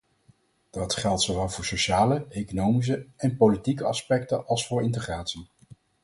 Dat geldt zowel voor sociale, economische en politieke aspecten als voor integratie.